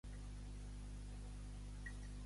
Els de Lledó d'Algars, raboses.